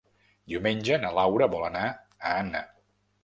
Diumenge na Laura vol anar a Anna.